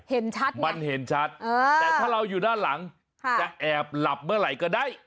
มันเห็นชัดแต่ถ้าเราอยู่ด้านหลังจะแอบหลับเมื่อไหร่ก็ได้